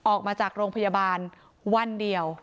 ออกมาจากโรงพยาบาลวันเดียว